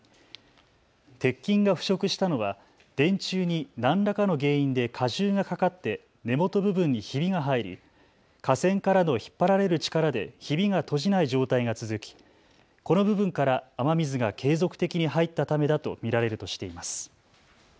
鉄筋が腐食したのは電柱に何らかの原因で荷重がかかって根元部分にひびが入り架線からの引っ張られる力でひびが閉じない状態が続きこの部分から雨水が継続的に入ったためだと見られるとしています。